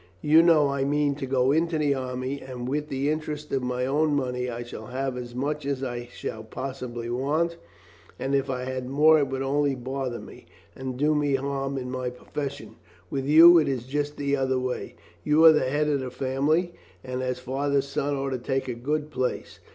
"You know I mean to go into the army, and with the interest of my own money I shall have as much as I shall possibly want, and if I had more it would only bother me, and do me harm in my profession. With you it is just the other way. You are the head of the family, and as Father's son ought to take a good place.